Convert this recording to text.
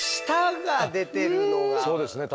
そうですね